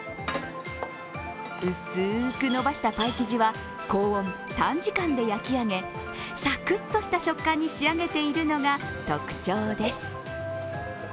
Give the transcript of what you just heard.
薄ーくのばしたパイ生地は高温・短時間で焼き上げ、サクッとした食感に仕上げているのが特徴です。